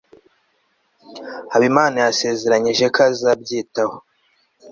habimana yasezeranyije ko azabyitaho